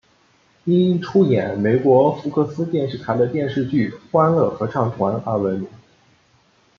因出演美国福克斯电视台的电视剧欢乐合唱团而闻名。